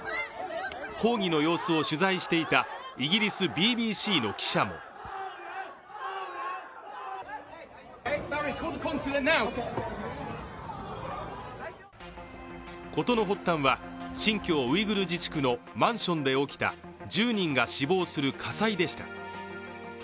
抗議の様子を取材していたイギリスＢＢＣの記者も事の発端は、新疆ウイグル自治区のマンションで起きた１０人が死亡する火災でした。